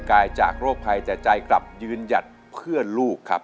กายจากโรคภัยแต่ใจกลับยืนหยัดเพื่อนลูกครับ